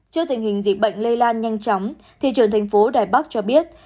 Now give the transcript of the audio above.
trước tình hình dịch bệnh lây lan nhanh chóng thị trường thành phố đài bắc cho biết